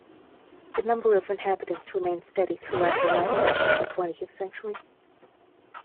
The number of inhabitants remained steady throughout the latter half of the twentieth century.